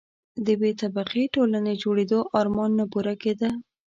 د بې طبقې ټولنې جوړېدو آرمان نه پوره کېده.